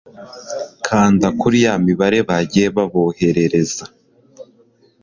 Kanda kuriya yamibare bagiye baboherereza